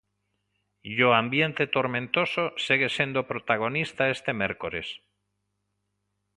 E o ambiente tormentoso segue sendo protagonista este mércores.